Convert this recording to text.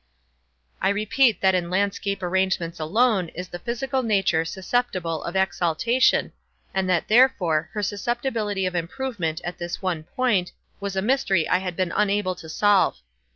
I repeat that in landscape arrangements alone is the physical nature susceptible of exaltation, and that, therefore, her susceptibility of improvement at this one point, was a mystery I had been unable to solve.